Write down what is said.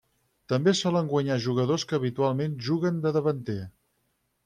També solen guanyar jugadors que habitualment juguen de davanter.